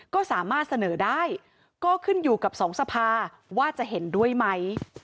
ก็สามารถเสนอได้ก็ขึ้นอยู่กับสองสภาว่าจะเห็นด้วยไหม